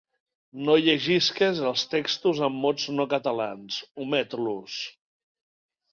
No llegisques els textos amb mots no catalans, omet-los!